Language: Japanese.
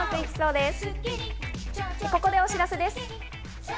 ここでお知らせです。